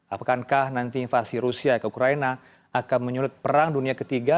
apakah nanti invasi rusia ke ukraina akan menyulit perang dunia ketiga